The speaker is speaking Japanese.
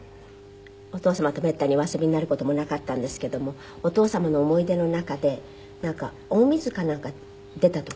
お父様とめったにお遊びになる事もなかったんですけどもお父様の思い出の中でなんか大水かなんか出た時？